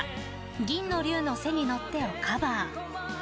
「銀の龍の背に乗って」をカバー。